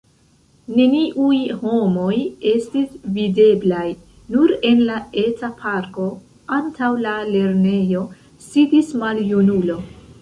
Neniuj homoj estis videblaj, nur en la eta parko, antaŭ la lernejo, sidis maljunulo.